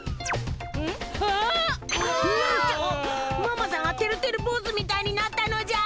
ママさんがてるてるぼうずみたいになったのじゃ！